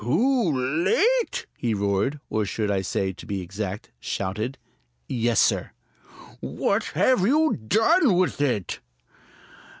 "Too late?" he roared, or I should say, to be exact, shouted. "Yes, sir." "What have you done with it?"